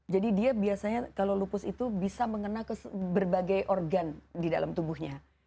jadi dia biasanya kalau lupus itu bisa mengena ke berbagai organ di dalam tubuhnya